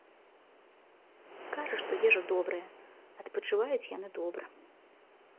Кажа, што ежа добрая, адпачываюць яны добра.